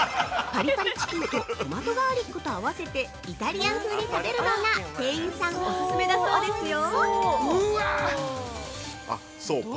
パリパリチキンとトマトガーリックと合わせて、イタリアン風に食べるのが店員さんオススメだそうですよ！